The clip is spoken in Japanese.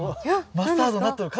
マスタードになっとる。